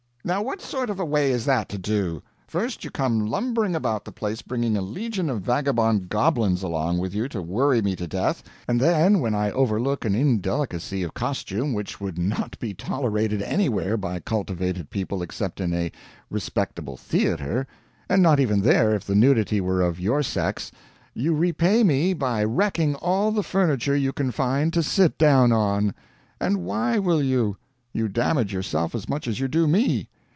"Now what sort of a way is that to do? First you come lumbering about the place bringing a legion of vagabond goblins along with you to worry me to death, and then when I overlook an indelicacy of costume which would not be tolerated anywhere by cultivated people except in a respectable theater, and not even there if the nudity were of your sex, you repay me by wrecking all the furniture you can find to sit down on. And why will you? You damage yourself as much as you do me.